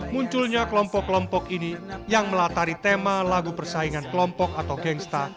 munculnya kelompok kelompok ini yang melatari tema lagu persaingan kelompok atau gengsta